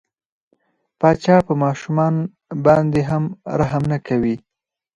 پاچا په ماشومان باندې هم رحم نه کوي.